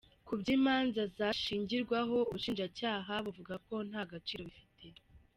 Ku by'imanza zashingirwaho, ubushinjacyaha buvuga ko nta gaciro bifite.